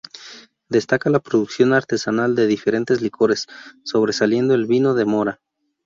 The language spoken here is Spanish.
Destaca la producción artesanal de diferentes licores, sobresaliendo el vino de mora.